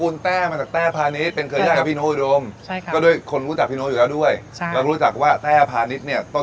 เรารู้จักว่าแต้พาณิชย์เนี่ย